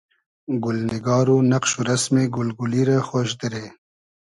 گولنیگار و نئقش و رئسمی گول گولی رۂ خۉش دیرې